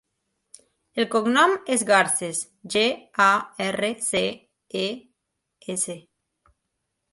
El cognom és Garces: ge, a, erra, ce, e, essa.